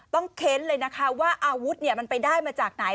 เค้นเลยนะคะว่าอาวุธมันไปได้มาจากไหน